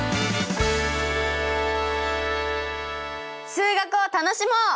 数学を楽しもう！